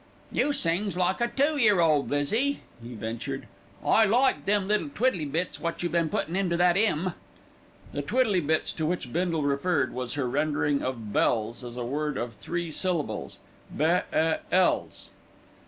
"You sings like a two year old, Lizzie," he ventured. "I like them little twiddley bits wot you been puttin' into that 'ymn." The "twiddley bits" to which Bindle referred was her rendering of "bells," as a word of three syllables, "be e ells."